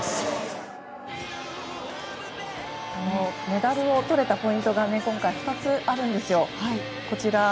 メダルをとれたポイントが今回２つあるんですよ。